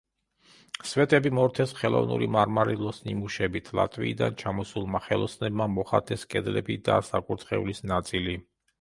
სვეტები მორთეს ხელოვნური მარმარილოს ნიმუშებით, ლატვიიდან ჩამოსულმა ხელოსნებმა მოხატეს კედლები და საკურთხევლის ნაწილი.